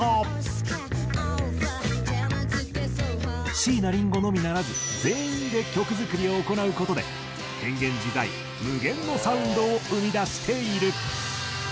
椎名林檎のみならず全員で曲作りを行う事で変幻自在無限のサウンドを生み出している。